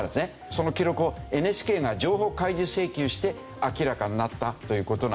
その記録をＮＨＫが情報開示請求して明らかになったという事なんです。